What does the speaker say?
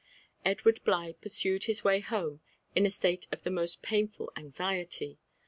Edward Bligh pursued his way home in a state of the most painful anxiety.